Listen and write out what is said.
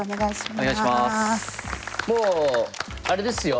もうあれですよ